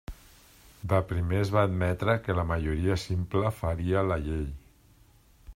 De primer es va admetre que la majoria simple faria la llei.